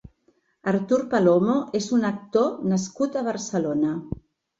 Artur Palomo és un actor nascut a Barcelona.